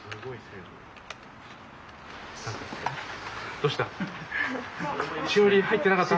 どうした？